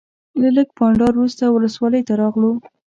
له لږ بانډار وروسته ولسوالۍ ته راغلو.